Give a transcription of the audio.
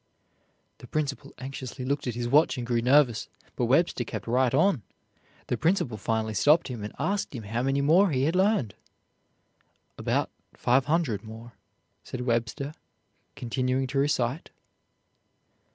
The principal anxiously looked at his watch and grew nervous, but Webster kept right on. The principal finally stopped him and asked him how many more he had learned. "About five hundred more," said Webster, continuing to recite.